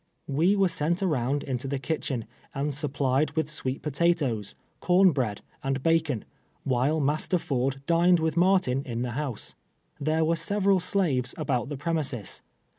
We were sent around into the kitchen, and supplied with sweet potatoes, corn l)read, and bacon, while Master Ford dined with Martin in the house. There were several slaves about the premises.